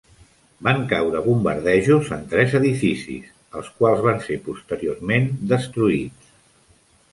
Van caure bombardejos en tres edificis, els quals van ser posteriorment destruïts.